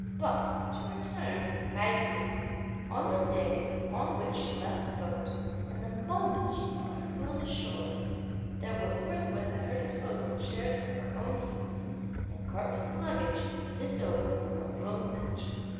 But to return to Tai yü. On the day on which she left the boat, and the moment she put her foot on shore, there were forthwith at her disposal chairs for her own use, and carts for the luggage, sent over from the Jung mansion.